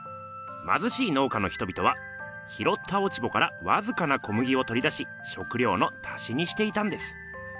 まずしい農家の人々は拾った落ち穂からわずかな小麦をとり出ししょくりょうの足しにしていたんです。